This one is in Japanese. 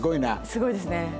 すごいですね。